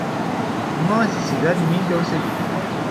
Nu am sesizat nimic deosebit.